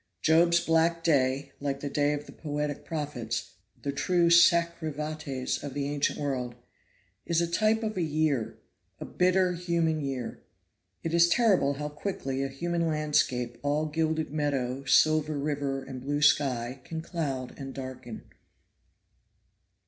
Job's black day, like the day of the poetic prophets the true sacri vates of the ancient world is a type of a year a bitter human year. It is terrible how quickly a human landscape all gilded meadow, silver river and blue sky can cloud and darken.